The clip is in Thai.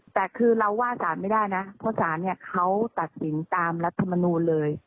แต่คือเราว่าสารไม่ได้นะเพราะสารเนี่ยเขาตัดสินตามรัฐมนูลเลย